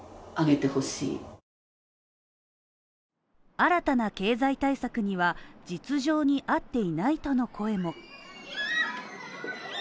新たな経済対策には、実情に合っていないとの声も。